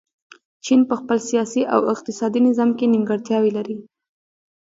چین په خپل سیاسي او اقتصادي نظام کې نیمګړتیاوې لري.